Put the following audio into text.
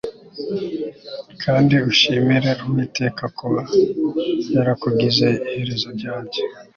kandi ushimire uwiteka kuba yarakugize iherezo ryanjye